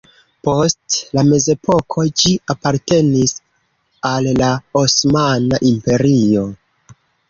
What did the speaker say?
Post la mezepoko ĝi apartenis al la Osmana Imperio.